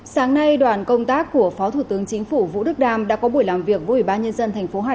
sáng nay đoàn công tác của phó thủ tướng chính phủ vũ đức đam đã có buổi làm việc với ủy ban nhân dân thành phố hà nội